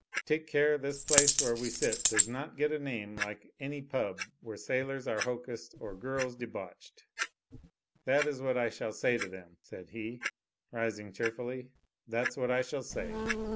Take care this place where we sit does not get a name like any pub where sailors are hocussed or girls debauched. That is what I shall say to them," said he, rising cheer fully, "that's what I shall say.